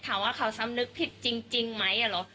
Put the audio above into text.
ถามว่าเขาสำนึกผิดจริงไหมเหรอ